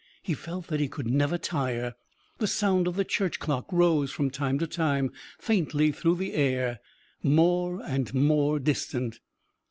He felt that he could never tire.... The sound of the church clock rose from time to time faintly through the air more and more distant.